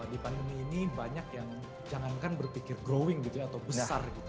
di pandemi ini banyak yang jangankan berpikir growing gitu ya atau besar gitu